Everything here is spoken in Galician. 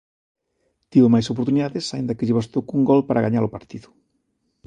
Tivo máis oportunidades, aínda que lle bastou cun gol para gañar o partido.